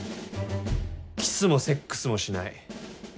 キスもセックスもしない。